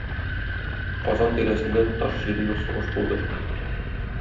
Казан тирәсендә тоташ җиде ел сугыш булды.